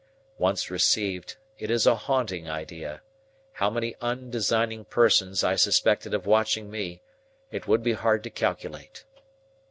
Once received, it is a haunting idea; how many undesigning persons I suspected of watching me, it would be hard to calculate.